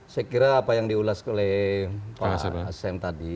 saya kira apa yang diulas oleh pak asem tadi